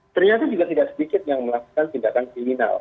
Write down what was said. ternyata juga tidak sedikit yang melakukan tindakan kriminal